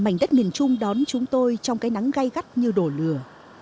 mảnh đất miền trung đón chúng tôi trong cái nắng gây gắt như đổ lửa